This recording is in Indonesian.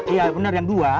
iya bener yang dua